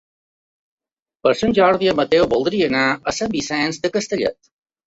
Per Sant Jordi en Mateu voldria anar a Sant Vicenç de Castellet.